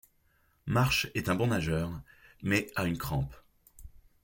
Marsh est un bon nageur, mais a une crampe.